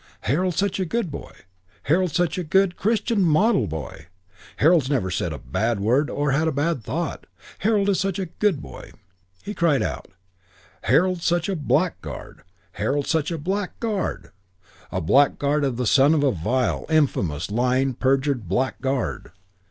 "Harold's such a good boy! Harold's such a good, Christian, model boy! Harold's never said a bad word or had a bad thought. Harold's such a good boy." He cried out: "Harold's such a blackguard! Harold's such a blackguard! A blackguard and the son of a vile, infamous, lying, perjured blackguard."